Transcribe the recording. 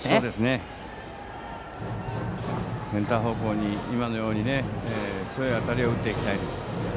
センター方向に今のように強い当たりを打っていきたいです。